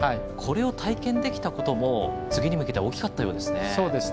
これを体験できたことも次に向けて大きかったようですね。